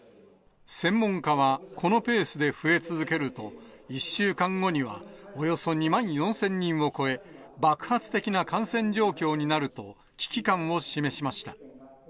専門家は、このペースで増え続けると、１週間後にはおよそ２万４０００人を超え、爆発的な感染状況になると危機感を示しました。